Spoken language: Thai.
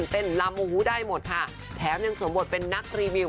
ลำโอ้โหได้หมดค่ะแถมยังสวมบทเป็นนักรีวิว